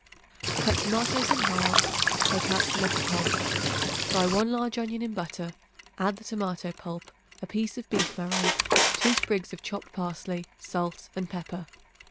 Cut tomatoes in halves; take out some of the pulp. Fry 1 large onion in butter, add the tomato pulp, a piece of beef marrow, 2 sprigs of chopped parsley, salt and pepper.